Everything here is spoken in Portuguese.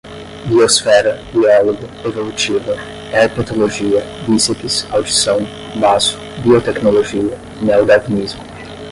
biosfera, biólogo, evolutiva, herpetologia, bíceps, audição, baço, biotecnologia, neodarwinismo